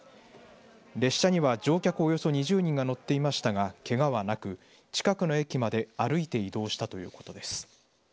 列車には乗客およそ２０人が乗っていましたが、けがはなく近くの駅まで歩いて移動したということです。